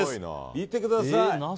見てください。